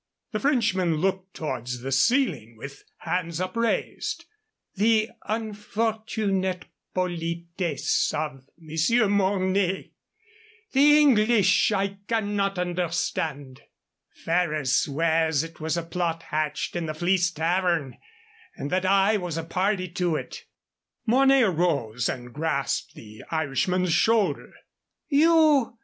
The Frenchman looked towards the ceiling with hands upraised. "The unfortunate politesse of Monsieur Mornay! The English I cannot understand." "Ferrers swears it was a plot hatched in the Fleece Tavern, and that I was a party to it." Mornay arose and grasped the Irishman's shoulder. "_You!